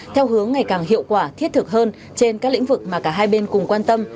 theo hướng ngày càng hiệu quả thiết thực hơn trên các lĩnh vực mà cả hai bên cùng quan tâm